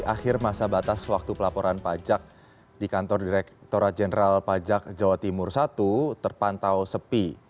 akhir masa batas waktu pelaporan pajak di kantor direkturat jenderal pajak jawa timur i terpantau sepi